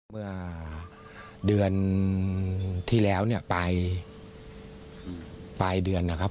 เมื่อเดือนที่แล้วเนี่ยปลายเดือนนะครับ